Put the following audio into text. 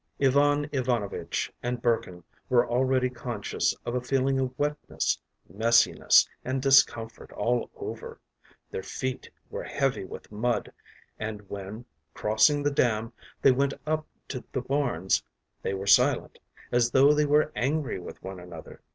Ivan Ivanovitch and Burkin were already conscious of a feeling of wetness, messiness, and discomfort all over; their feet were heavy with mud, and when, crossing the dam, they went up to the barns, they were silent, as though they were angry with one another.